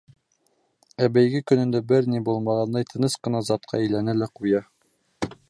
Ә бәйге көнөндә бер ни булмағандай тыныс ҡына затҡа әйләнә лә ҡуя.